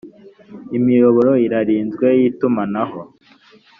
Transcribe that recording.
imiyoboro irarinzwe y itumanaho